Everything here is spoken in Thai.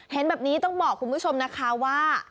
เห็นแบบนี้ต้องบอกคุณผู้ชมนะคะว่า